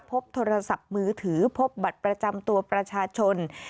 พบโทรศัพท์มือถือพบบัตรประจำตัวประชาชน